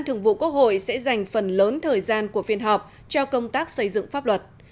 chủ tịch quốc hội nguyễn thị kim ngân chủ trì phiên họp